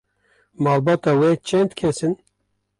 Malbata we çend kes in?